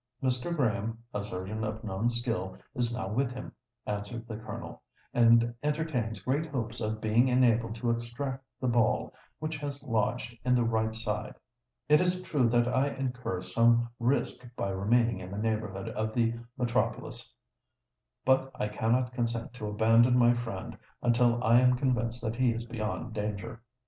"Mr. Graham, a surgeon of known skill, is now with him," answered the Colonel; "and entertains great hopes of being enabled to extract the ball, which has lodged in the right side. It is true that I incur some risk by remaining in the neighbourhood of the metropolis; but I cannot consent to abandon my friend until I am convinced that he is beyond danger."